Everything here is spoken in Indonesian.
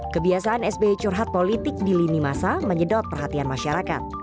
kebiasaan sby curhat politik di lini masa menyedot perhatian masyarakat